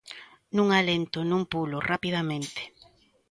Nun alento: nun pulo, rapidamente.